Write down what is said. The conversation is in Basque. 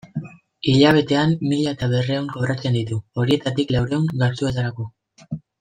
Hilabetean mila eta berrehun kobratzen ditu, horietatik laurehun gastuetarako.